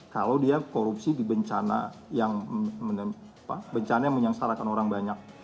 kalau dia korupsi di bencana yang menyangsarakan orang banyak